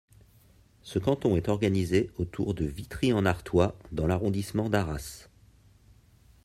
Ce canton est organisé autour de Vitry-en-Artois dans l'arrondissement d'Arras.